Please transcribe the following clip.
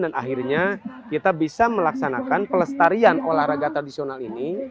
dan akhirnya kita bisa melaksanakan pelet tarian olahraga tradisional ini